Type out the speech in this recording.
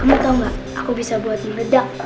ada yang pakai minuman